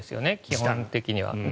基本的には。